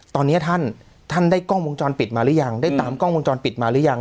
ตอนนี้ท่านท่านได้กล้องวงจรปิดมาหรือยังได้ตามกล้องวงจรปิดมาหรือยัง